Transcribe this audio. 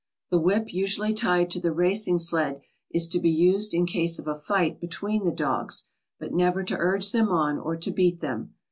The whip usually tied to the racing sled is to be used in case of a fight between the dogs but never to urge them on or to beat them.